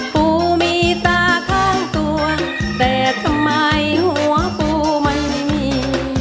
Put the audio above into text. ปูมีตาข้างตัวแต่ทำไมหัวปูมันไม่มี